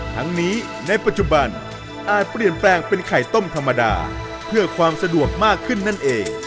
ทั้งนี้ในปัจจุบันอาจเปลี่ยนแปลงเป็นไข่ต้มธรรมดาเพื่อความสะดวกมากขึ้นนั่นเอง